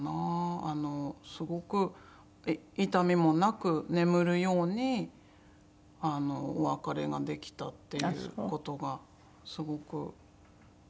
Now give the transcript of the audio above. すごく痛みもなく眠るようにお別れができたっていう。